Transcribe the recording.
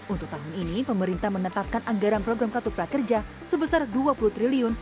untuk tahun ini pemerintah menetapkan anggaran program kartu prakerja sebesar rp dua puluh triliun